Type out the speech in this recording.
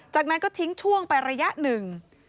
จากนั้นก็ทิ้งช่วงไประยะหนึ่ง